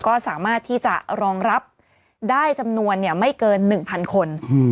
ก็สามารถที่จะรองรับได้จำนวนไม่เกิน๑๐๐คน